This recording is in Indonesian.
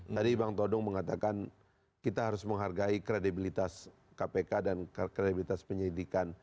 tadi bang todong mengatakan kita harus menghargai kredibilitas kpk dan kredibilitas penyidikan